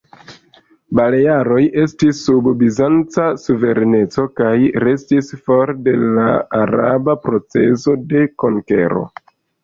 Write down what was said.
Balearoj estis sub bizanca suvereneco, kaj restis for de la araba procezo de konkero.